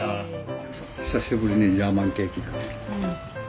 久しぶりにジャーマンケーキだね。